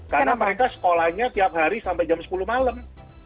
karena mereka sekolahnya tiap hari sampai jam sepuluh malam